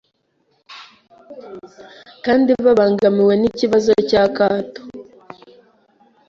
kandi babangamiwe n’ikibazo cy’akato